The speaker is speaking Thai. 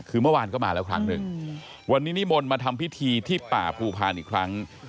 คือเมื่อวานก็มาแล้วครั้งหนึ่งวันนี้นิมนต์มาทำพิธีที่ป่าภูพานอีกครั้ง